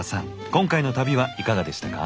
今回の旅はいかがでしたか？